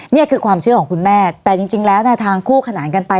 นี่คือความเชื่อของคุณแม่แต่จริงแล้วแนวทางคู่ขนานกันไป